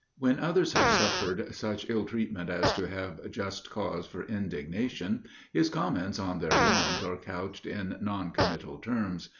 When others have suffered such ill treatment as to have just cause for indignation, his comments on their wrongs are couched in non committal terms.